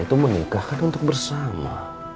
kita menikah untuk bersama